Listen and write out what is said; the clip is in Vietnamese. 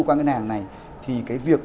qua ngân hàng này thì cái việc